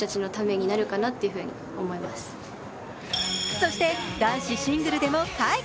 そして男子シングルでも快挙。